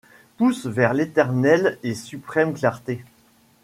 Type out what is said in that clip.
Pousse vers l’éternelle et suprême clarté